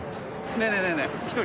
ねえねえねえ１人？